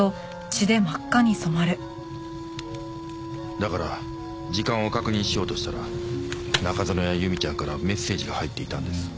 だから時間を確認しようとしたら中園や由美ちゃんからメッセージが入っていたんです。